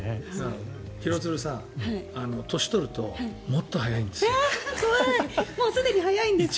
廣津留さん年を取るともっと早いんです。